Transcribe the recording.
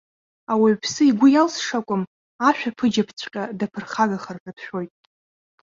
Ауаҩԥсы игәы иалсша акәым, ашәаԥыџьаԥҵәҟьа даԥырхагахар ҳәа дшәоит.